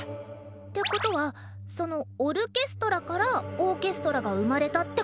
ってことはそのオルケストラからオーケストラが生まれたってこと？